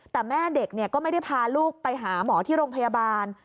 แต่แม่เด็กก็ไม่ได้พาลูกไปหาหมอที่โรงพยาบาล